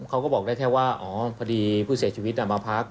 เขาก็บอกได้แค่ว่าอ๋อพอดีผู้เสียชีวิตมาพัก